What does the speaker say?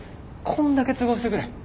こんだけ都合してくれ。